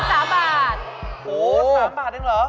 โห๓บาทนึงเหรอ